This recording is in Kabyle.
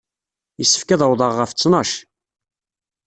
Yessefk ad awḍeɣ ɣef ttnac.